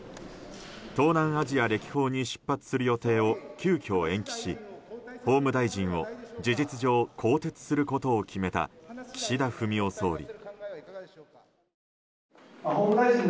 東南アジア歴訪に出発する予定を急きょ延期し、法務大臣を事実上更迭することを決めた岸田文雄総理。